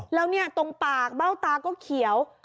แล้วเนี่ยตรงปากเบ้าตาก็เขียว